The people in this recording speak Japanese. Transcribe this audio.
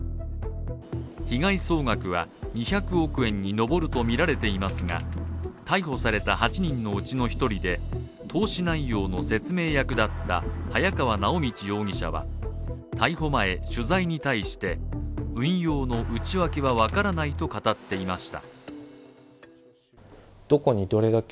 被害総額は２００億円に上るとみられていますが逮捕された８人のうちの１人で投資内容の説明役だった早川直通容疑者は、逮捕前、取材に対して運用の内訳は分からないと語っていました。